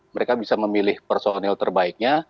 mereka bisa memilih personil terbaiknya